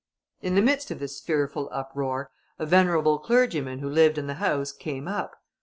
In the midst of this fearful uproar, a venerable clergyman who lived in the house came up.